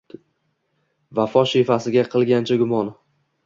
Vafo shevasiga qilgancha gumon